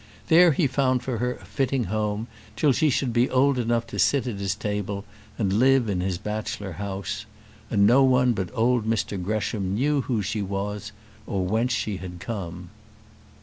There he found for her a fitting home till she should be old enough to sit at his table and live in his bachelor house; and no one but old Mr Gresham knew who she was, or whence she had come.